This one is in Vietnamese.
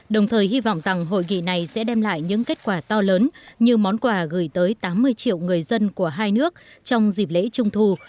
đồng thời hy vọng rằng hội nghị này sẽ đem lại những kết quả to lớn như món quà gửi tới tám mươi triệu người dân của hai nước trong dịp lễ trung thu